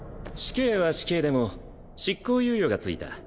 死刑は死刑でも執行猶予が付いた。